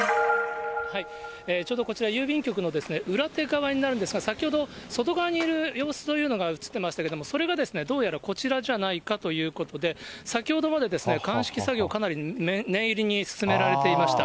ちょうどこちら、郵便局の裏手側になるんですが、先ほど、外側にいる様子というのが写ってましたけれども、それがどうやらこちらじゃないかということで、先ほどまで鑑識作業、かなり念入りに進められていました。